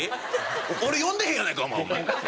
俺呼んでへんやないかお前。